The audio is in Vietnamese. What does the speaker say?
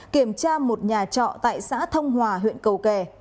kiểm tra một nhà trọ tại xã thông hòa huyện cầu kè